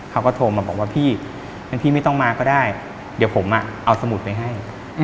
เขาก็โทรมาบอกว่าพี่งั้นพี่ไม่ต้องมาก็ได้เดี๋ยวผมเอาสมุดไปให้